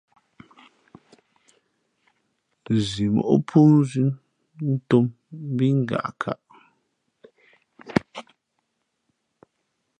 Zimóʼ pōōnzʉ̌ ntōm mbí ngaʼkaʼ.